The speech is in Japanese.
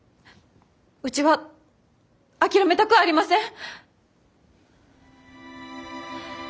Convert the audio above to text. うちは諦めたくありません。